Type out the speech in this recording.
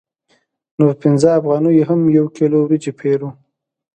نو په پنځه افغانیو هم یو کیلو وریجې پېرو